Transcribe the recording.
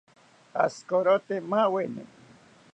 Ashikorote maaweni